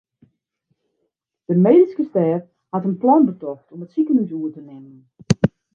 De medyske stêf hat in plan betocht om it sikehús oer te nimmen.